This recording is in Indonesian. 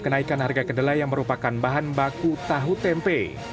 kenaikan harga kedelai yang merupakan bahan baku tahu tempe